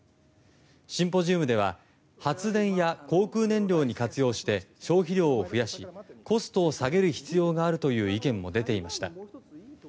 シンポジウムでは発電や航空燃料に活用して消費量を増やしコストを下げる必要があるとの意見も出ていました。